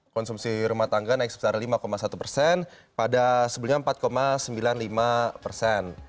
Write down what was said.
konsumsi rumah tangga naik sebesar lima satu persen pada sebelumnya empat sembilan puluh lima persen